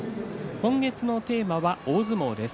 今月のテーマは大相撲です。